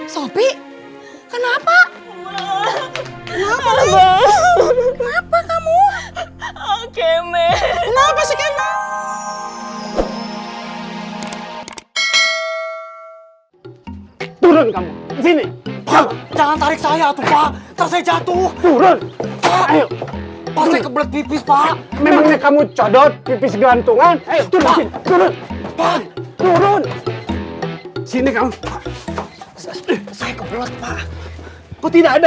sampai jumpa di video selanjutnya